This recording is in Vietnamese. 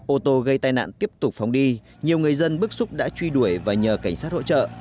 ô tô gây tai nạn tiếp tục phóng đi nhiều người dân bức xúc đã truy đuổi và nhờ cảnh sát hỗ trợ